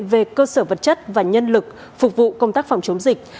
về cơ sở vật chất và nhân lực phục vụ công tác phòng chống dịch